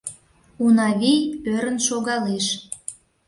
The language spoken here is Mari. Унавий ӧрын шогалеш.